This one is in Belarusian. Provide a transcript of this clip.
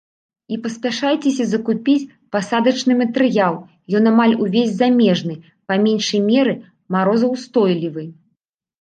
І паспяшайцеся закупіць пасадачны матэрыял, ён амаль увесь замежны, па меншай меры марозаўстойлівы.